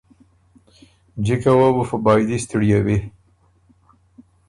جکه وه بو په بائدی ستِړیېوی۔